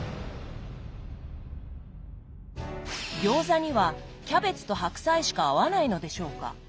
餃子にはキャベツと白菜しか合わないのでしょうか？